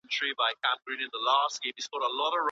انجینري پوهنځۍ بې اسنادو نه ثبت کیږي.